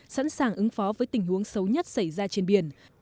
sẵn sàng ứng phó với tình huống xấu nhất xảy ra trên biển